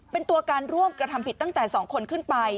เป็นตัวการร่วมกระทำผิดตั้งแต่๒คนขึ้นไป